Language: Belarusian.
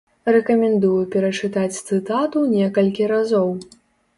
Рэкамендую перачытаць цытату некалькі разоў.